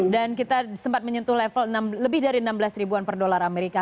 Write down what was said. dan kita sempat menyentuh level lebih dari enam belas ribuan per dolar amerika